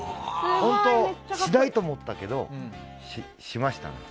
しないと思ったけどしました。